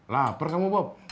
laper kamu bob